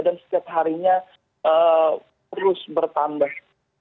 dan setiap harinya terus bertambah